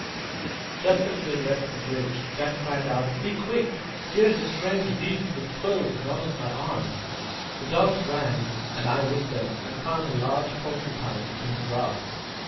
Just as we had left the bridge, Jack cried out, "Be quick! here is a strange beast with quills as long as my arm." The dogs ran, and I with them, and found a large POR CU PINE, in the grass.